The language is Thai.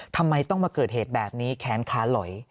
ทำไมต้องมาเกิดเหตุแบบนี้แค้นค้าไหล่